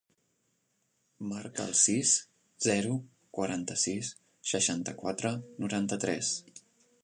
Marca el sis, zero, quaranta-sis, seixanta-quatre, noranta-tres.